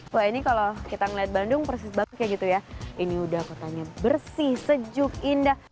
wah ini kalau kita ngeliat bandung persis banget kayak gitu ya ini udah kotanya bersih sejuk indah